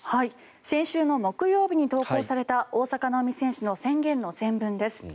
先週の木曜日に投稿された大坂なおみ選手の宣言の全文です。